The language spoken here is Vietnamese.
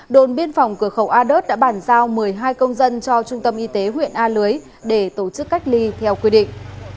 đồn biên phòng cửa khẩu a đớt đã bàn giao một mươi hai công dân cho trung tâm y tế huyện a lưới để tổ chức cách ly theo quy định